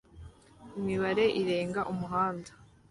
Imibare irenga umuhanda